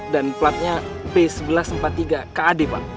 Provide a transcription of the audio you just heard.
dan platnya b seribu satu ratus empat puluh tiga kad pak